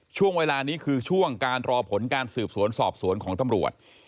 ช่วงเวลานี้คือช่วงการรอผลการสืบสวนสอบสวนของตำรวจ